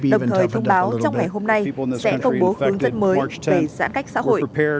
đồng thời thông báo trong ngày hôm nay sẽ công bố khuôn dân mới về giãn cách xã hội